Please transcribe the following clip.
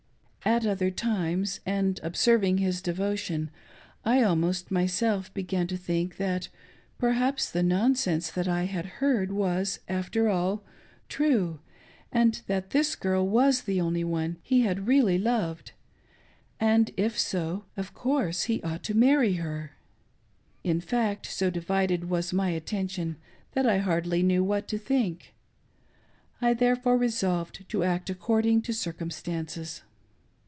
LOVERS gUARRELS. 545 At other tiities, dtid observing hi&' devotion, I alriosf mysdf began to think that perhaps the nonsense that I had heard was, after all, true, and that this girl was the only one he had really loved ; and, if so, of course he ought to marry her. In fact, so divided was my attention that I hardly knew what to think ; I therefore resolved to act according to circumstances.